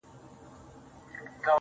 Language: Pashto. خدای ته دعا زوال د موسيقۍ نه غواړم,